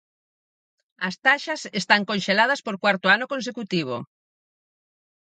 As taxas están conxeladas por cuarto ano consecutivo.